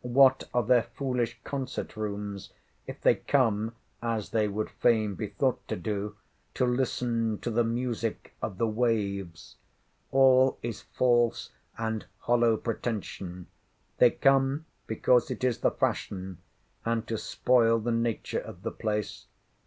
what are their foolish concert rooms, if they come, as they would fain be thought to do, to listen to the music of the waves? All is false and hollow pretention. They come, because it is the fashion, and to spoil the nature of the place.